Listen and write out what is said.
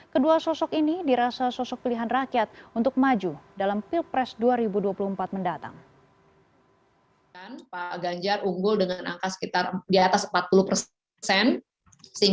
kedua sosok ini dirasa sosok pilihan rakyat untuk maju dalam pilpres dua ribu dua puluh empat mendatang